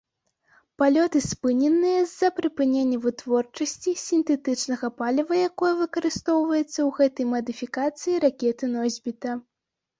Палёты спыненыя з-за прыпынення вытворчасці сінтэтычнага паліва, якое выкарыстоўваецца ў гэтай мадыфікацыі ракеты-носьбіта.